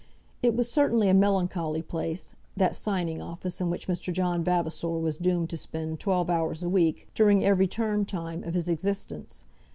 It was certainly a melancholy place, that signing office, in which Mr. John Vavasor was doomed to spend twelve hours a week, during every term time, of his existence.